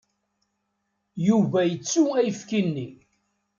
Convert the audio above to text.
Yuba yettu ayefki-nni.